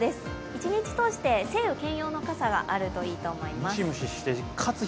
一日通して晴雨兼用の傘があるといいと思います。